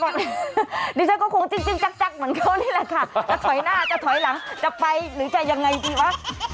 ดิฉันก็คงจิ้งจักเหมือนเขานี่แหละค่ะจะถอยหน้าจะถอยหลังจะไปหรือจะยังไงดีวะ